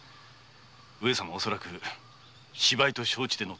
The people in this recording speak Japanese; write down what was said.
上様は恐らく芝居と承知で乗ったはず。